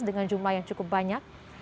dengan jumlah yang cukup banyak